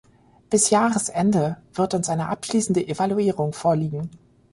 Bis Jahresende wird uns eine abschließende Evaluierung vorliegen.